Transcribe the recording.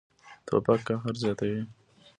توپک قهر زیاتوي.